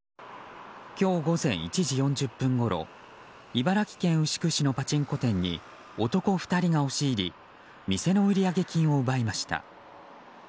今日午前１時４０分ごろ茨城県牛久市のパチンコ店に男２人が押し入り店の売上金を奪いました。